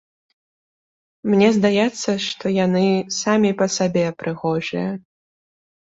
Мне здаецца, што яны самі па сабе прыхожыя.